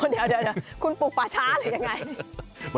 เดี๋ยวคุณปลูกป่าช้าหรือยังไง